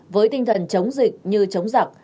với tinh thần chống dịch như chống giặc